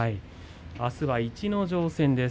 あすは逸ノ城戦です。